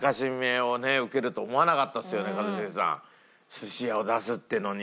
寿司屋を出すっていうのに。